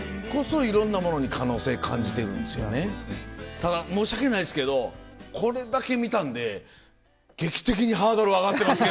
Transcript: ただ申し訳ないですけどこれだけ見たんで劇的にハードル上がってますけど。